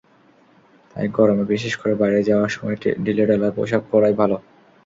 তাই গরমে, বিশেষ করে বাইরে যাওয়ার সময় ঢিলেঢালা পোশাক পরাই ভালো।